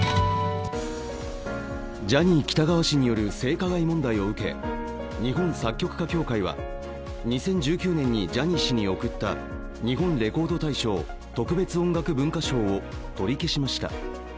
ジャニー喜多川氏による性加害問題を受け日本作曲家協会は２０１９年にジャニー氏に贈った日本レコード大賞、特別音楽文化賞を取り消しました。